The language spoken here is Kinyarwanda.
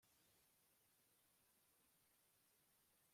Amaze kumva ibyifuzo by Inama y Igihugu